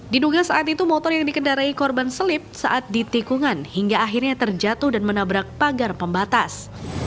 diduga saat itu motor yang dikendarai korban selip saat di tikungan hingga akhirnya terjatuh dan menabrak pagar pembatas